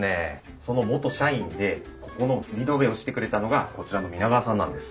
その元社員でここのリノベをしてくれたのがこちらの皆川さんなんです。